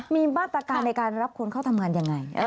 มีมาตรการในการรับคนเข้าทำงานยังไง